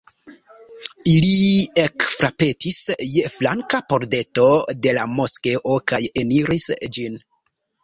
Ili ekfrapetis je flanka pordeto de la moskeo kaj eniris ĝin.